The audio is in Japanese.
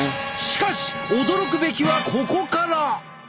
しかし驚くべきはここから！